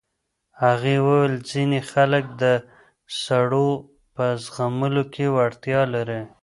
هغې وویل ځینې خلک د سړو په زغملو کې وړتیا لري.